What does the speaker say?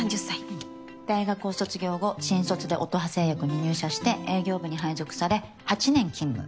うん大学を卒業後新卒で乙葉製薬に入社して営業部に配属され８年勤務。